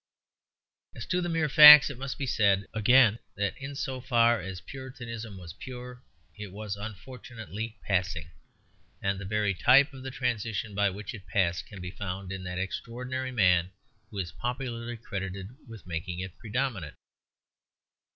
As to the mere facts, it must be said again that in so far as Puritanism was pure, it was unfortunately passing. And the very type of the transition by which it passed can be found in that extraordinary man who is popularly credited with making it predominate.